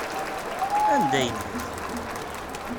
Anda ay lliɣ?